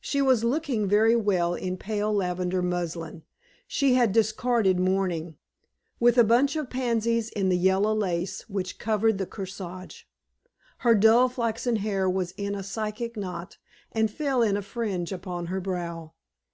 She was looking very well in pale lavender muslin she had discarded mourning with a bunch of pansies in the yellow lace which covered the corsage. Her dull flaxen hair was in a Psyche knot, and fell in a fringe upon her brow.